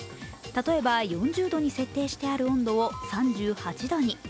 例えば４０度に設定してある温度を３８度に。